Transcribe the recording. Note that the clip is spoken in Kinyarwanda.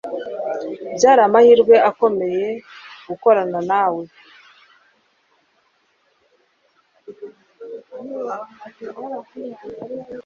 Byari amahirwe akomeye gukorana nawe